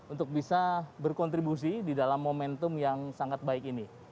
untuk bisa berkontribusi di dalam momentum yang sangat baik ini